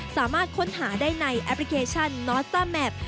สามารถค้นหาได้ในแอปพลิเคชันนอสตาร์แมพ